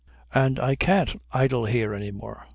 And I can't idle here any more.